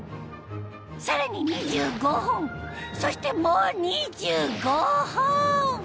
さらに２５本そしてもう２５本！